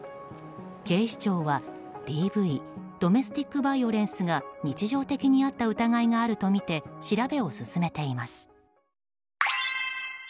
警視庁は、ＤＶ・ドメスティックバイオレンスが日常的にあった疑いがあるとみて調べを進めています。